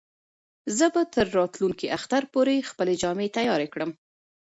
زه به تر راتلونکي اختر پورې خپلې جامې تیارې کړم.